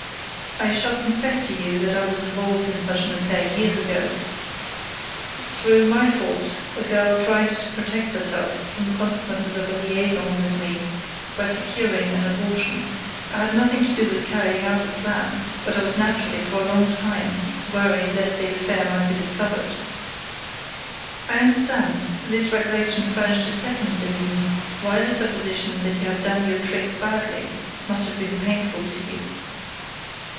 "I shall confess to you that I was involved in such an affair years ago. Through my fault a girl tried to protect herself from the consequences of a liaison with me by securing an abortion. I had nothing to do with carrying out the plan, but I was naturally for a long time worried lest the affair might be discovered." "I understand; this recollection furnished a second reason why the supposition that you had done your trick badly must have been painful to you."